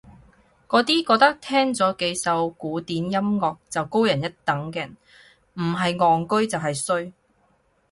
嗰啲覺得聽咗幾首古典音樂就高人一等嘅人唔係戇居就係衰